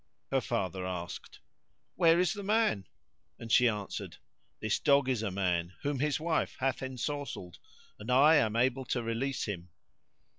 Her father asked, "Where is the man?"; and she answered, "This dog is a man whom his wife hath ensorcelled and I am able to release him."